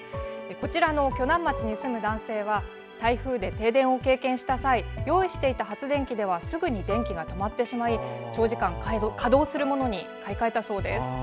こちらの鋸南町に住む男性は台風で停電を経験した際用意していた発電機ではすぐに電気が止まってしまい長時間、稼働するものに買い替えたそうです。